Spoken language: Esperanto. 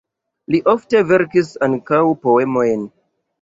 Li ofte verkis ankaŭ poemojn.